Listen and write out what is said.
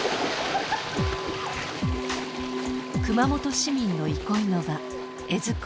熊本市民の憩いの場江津湖。